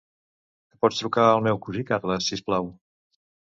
Que pots trucar al meu cosí Carles, si us plau?